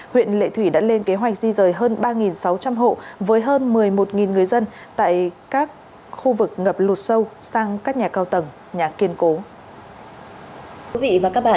huyện lệ thủy đã lên kế hoạch di rời hơn ba sáu trăm linh hộ với hơn một mươi một người dân tại các khu vực ngập lụt sâu sang các nhà cao tầng nhà kiên cố